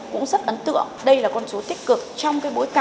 cũng rất ấn tượng đây là con số tích cực trong bối cảnh khó khăn